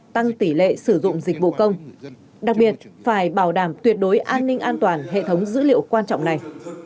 tăng tỷ lệ sử dụng dịch vụ công đặc biệt phải bảo đảm tuyệt đối an ninh an toàn hệ thống dữ liệu quan trọng này